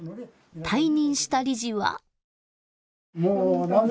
退任した理事は。